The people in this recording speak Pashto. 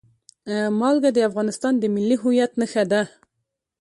نمک د افغانستان د ملي هویت نښه ده.